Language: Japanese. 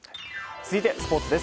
続いてスポーツです。